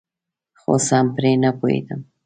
خو سم پرې نپوهیدم.